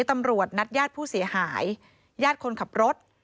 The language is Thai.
ตำรวจนัดญาติผู้เสียหายญาติคนขับรถ